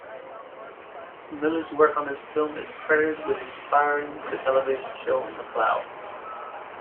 Miller's work on this film is credited with inspiring the television show McCloud.